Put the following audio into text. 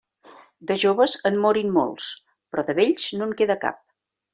De joves en morin molts, però de vells no en queda cap.